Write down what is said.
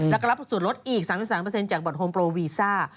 แล้วก็รับส่วนลดอีก๓๓จากบัตรโฮมโปรวีซ่า